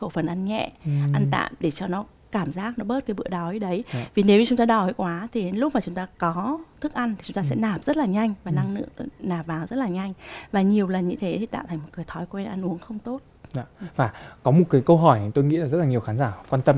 và có một câu hỏi tôi nghĩ là rất là nhiều khán giả quan tâm